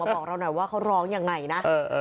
มาบอกเราหน่อยว่าเค้าร้องอย่างไรนะ